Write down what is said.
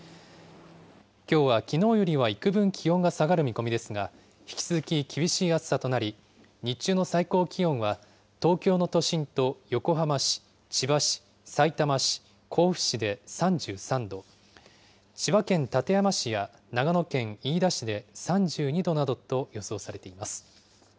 きょうはきのうよりはいくぶん気温が下がる見込みですが、引き続き厳しい暑さとなり、日中の最高気温は、東京の都心と横浜市、千葉市、さいたま市、甲府市で３３度、千葉県館山市や長野県飯田市で３２度などと予想されています。